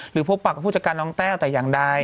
พบปากกับผู้จัดการน้องแต้วแต่อย่างใด